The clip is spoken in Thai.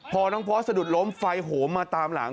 พอน้องพอสสะดุดล้มไฟโหมมาตามหลัง